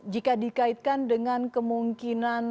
jika dikaitkan dengan kemungkinan